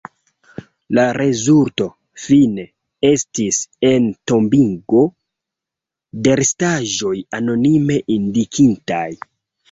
La rezulto, fine, estis entombigo de restaĵoj anonime indikitaj.